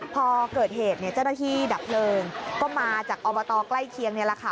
พอเกิดเหตุเจ้าหน้าที่ดับเพลิงก็มาจากอบตใกล้เคียงนี่แหละค่ะ